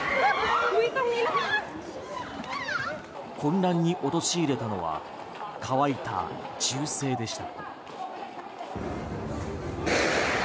混乱に陥れたのは乾いた銃声でした。